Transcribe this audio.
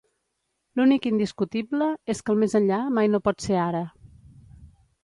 L'únic indiscutible és que el més enllà mai no pot ser ara.